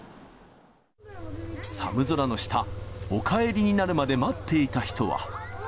寒空の下、お帰りになるまで待っていた人は。